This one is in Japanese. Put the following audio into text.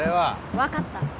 わかった。